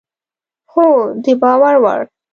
هو، د باور وړ